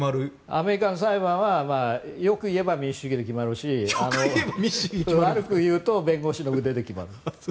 アメリカの裁判はよく言えば民主主義で決まるし悪く言うと弁護士の腕で決まる。